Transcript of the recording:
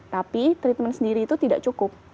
tapi treatment sendiri itu tidak cukup